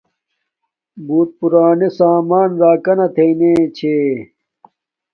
بوت پُرانے سامان راکانا تھݵ نے چھے